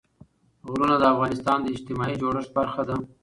غرونه د افغانستان د اجتماعي جوړښت برخه ده.